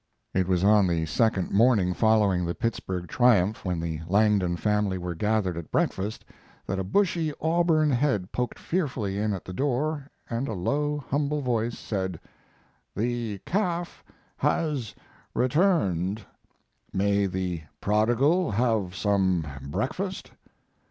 It was on the second morning following the Pittsburgh triumph, when the Langdon family were gathered at breakfast, that a bushy auburn head poked fearfully in at the door, and a low, humble voice said: "The calf has returned; may the prodigal have some breakfast?"